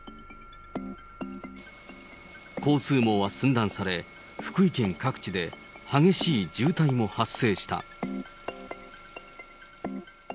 交通網は寸断され、福井県各地で激しい渋滞も発生した。